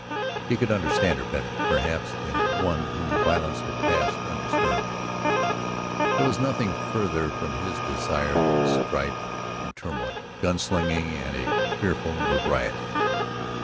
He could understand her better, perhaps, than one whom violence had passed undisturbed. There was nothing farther from his desire than strife and turmoil, gun slinging and a fearful notoriety.